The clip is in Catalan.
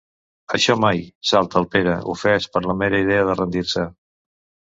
Això mai —salta el Pere, ofès per la mera idea de rendir-se.